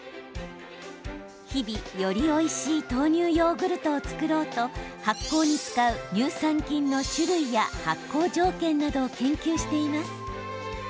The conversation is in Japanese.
日々、よりおいしい豆乳ヨーグルトを造ろうと発酵に使う乳酸菌の種類や発酵条件などを研究しています。